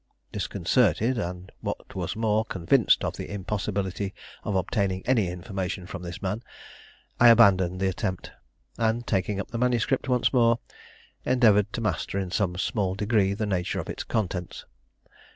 Disconcerted and, what was more, convinced of the impossibility of obtaining any information from this man, I abandoned the attempt; and, taking up the manuscript once more, endeavored to master in some small degree the nature of its contents.